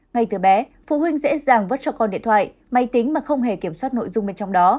ngay từ bé phụ huynh dễ dàng vứt cho con điện thoại máy tính mà không hề kiểm soát nội dung bên trong đó